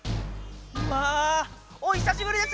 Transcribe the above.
「わあおひさしぶりです！」。